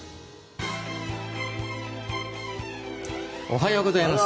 おはようございます。